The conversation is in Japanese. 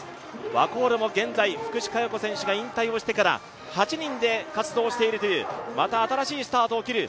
ワコールも現在福士加代子選手が引退してから８人で活動しているという、また新しいスタートを切る。